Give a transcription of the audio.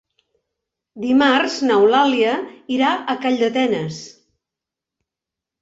Dimarts n'Eulàlia irà a Calldetenes.